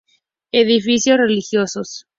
Edificios religiosos.